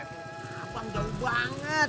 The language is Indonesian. apang jauh banget